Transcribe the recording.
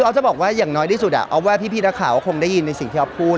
จะบอกว่าอย่างน้อยที่สุดออฟว่าพี่นักข่าวก็คงได้ยินในสิ่งที่อ๊อฟพูด